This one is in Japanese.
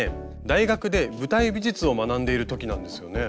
大学で舞台美術を学んでいる時なんですよね。